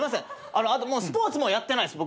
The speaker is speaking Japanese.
あとスポーツもやってないです。